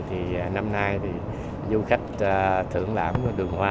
thì năm nay thì du khách thưởng lãm đường hoa